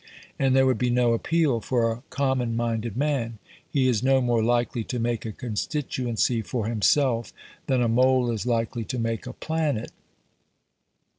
And there would be no appeal for a common minded man. He is no more likely to make a constituency for himself than a mole is likely to make a planet.